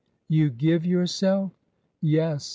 You give yourself?" Yes.